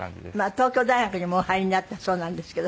東京大学にもお入りになったそうなんですけど。